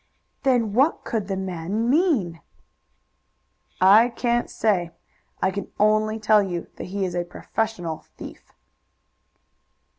"Then what could the man mean?" "I can't say. I can only tell you that he is a professional thief."